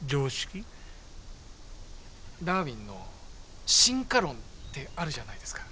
ダーウィンの進化論ってあるじゃないですか。